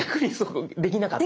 できなかった。